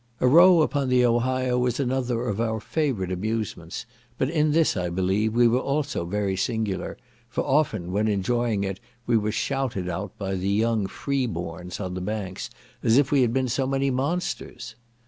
A row upon the Ohio was another of our favourite amusements; but in this, I believe, we were also very singular, for often, when enjoying it, we were shouted at, by the young free borns on the banks, as if we had been so many monsters.